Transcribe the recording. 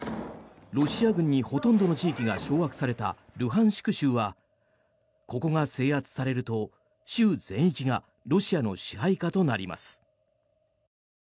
ロシア軍にほとんどの地域が掌握されたルハンシク州はここが制圧されると、州全域がロシアの支配下となります。